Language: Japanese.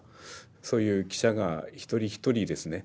そういう記者が一人一人ですね